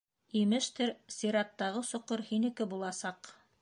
Имештер, сираттағы соҡор һинеке буласаҡ...